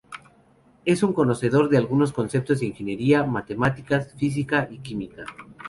Es un conocedor de algunos conceptos de ingeniería, matemáticas, física y química.